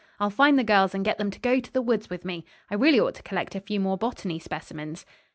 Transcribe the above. I'll find the girls and get them to go to the woods with me. I really ought to collect a few more botany specimens."